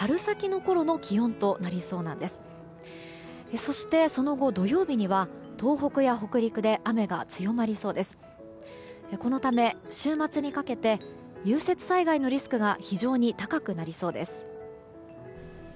このため、週末にかけて融雪災害のリスクが非常に高くなりそうです。